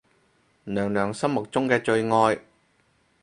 娘娘心目中嘅真愛